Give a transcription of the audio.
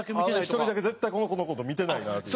１人だけ絶対この子の事見てないなっていう。